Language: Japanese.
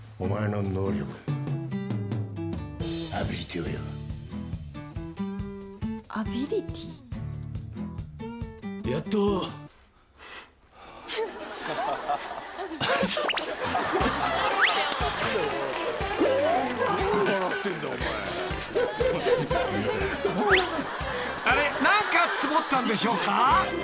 何かつぼったんでしょうか？］